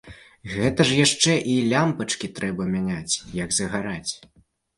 Гэта ж яшчэ і лямпачкі трэба мяняць, як згараць!